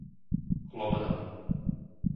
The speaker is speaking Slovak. Lomná